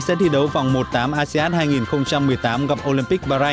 sẽ thi đấu vòng một mươi tám m